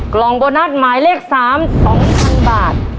กล่องโบนัสหมายเลข๓๒๐๐๐บาท